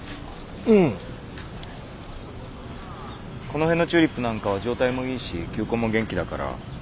この辺のチューリップなんかは状態もいいし球根も元気だから。